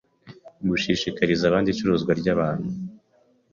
gushishikariza abandi icuruzwa ry’abantu.